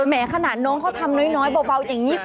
แหมขนาดน้องเขาทำน้อยเบาอย่างนี้